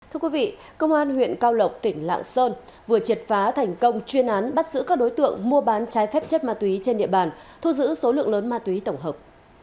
thưa quý vị công an huyện cao lộc tỉnh lạng sơn vừa triệt phá thành công chuyên án bắt giữ các đối tượng mua bán trái phép chất ma túy trên địa bàn thu giữ số lượng lớn ma túy tổng hợp